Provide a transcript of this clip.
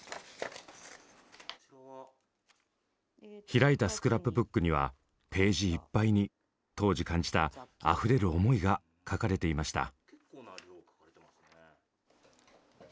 開いたスクラップブックにはページいっぱいに当時感じたあふれる思いが書かれていました。